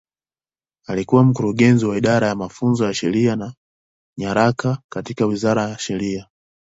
Alikuwa Mkurugenzi wa Idara ya Mafunzo ya Sheria na Nyaraka katika Wizara ya Sheria.